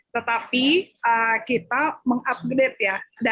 tetapi kita bisa mengatakan bahwa